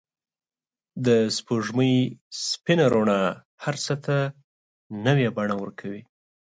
د سپوږمۍ سپین رڼا هر څه ته نوی بڼه ورکوي.